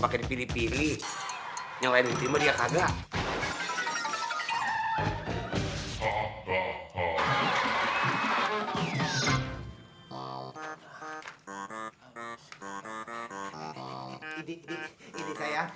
kita tidak cenderakan demi cinta lo sama si cuja